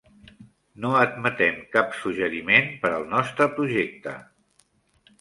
No admetem cap suggeriment per al nostre projecte.